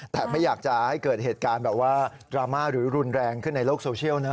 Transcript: แต่ไม่อยากจะให้เกิดเหตุการณ์แบบว่าดราม่าหรือรุนแรงขึ้นในโลกโซเชียลนะฮะ